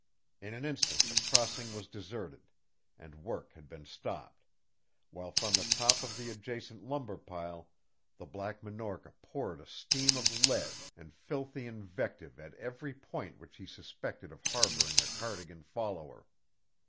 In an instant the crossing was deserted, and work had been stopped, while from the top of the adjacent lumber pile the Black Minorca poured a stream of lead and filthy invective at every point which he suspected of harbouring a Cardigan follower.